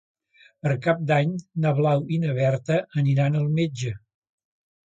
Per Cap d'Any na Blau i na Berta aniran al metge.